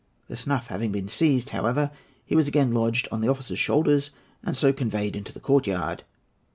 The snuff having been seized, however, he was again lodged on the officers' shoulders and so conveyed into the courtyard.